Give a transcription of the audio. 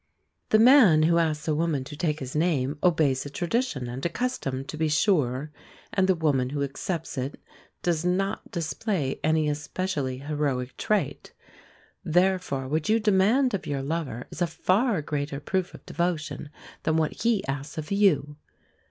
The man who asks a woman to take his name obeys a tradition and a custom, to be sure, and the woman who accepts it does not display any especially heroic trait. Therefore, what you demand of your lover is a far greater proof of devotion than what he asks of you.